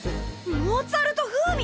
モーツァルト風味！？